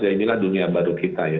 ya inilah dunia baru kita ya